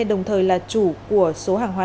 đồng thời là chủ của số hàng hóa